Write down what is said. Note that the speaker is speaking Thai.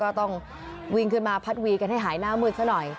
ก็ต้องวิ่งขึ้นมาพัดวีกันให้หายหน้ามืดซะหน่อย